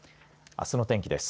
あすの天気です。